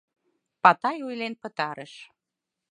...Патай ойлен пытарыш.